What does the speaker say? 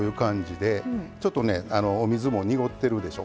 ちょっとお水も濁ってるでしょ。